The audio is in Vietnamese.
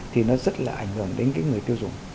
thì nó rất là ảnh hưởng đến cái người tiêu dùng